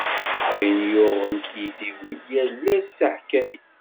Ayen yuɣ n tiytiwin, yal ass d taḥkayt.